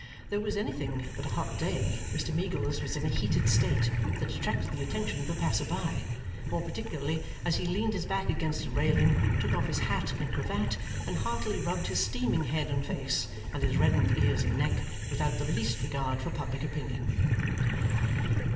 Though it was anything but a hot day, Mr Meagles was in a heated state that attracted the attention of the passersby; more particularly as he leaned his back against a railing, took off his hat and cravat, and heartily rubbed his steaming head and face, and his reddened ears and neck, without the least regard for public opinion.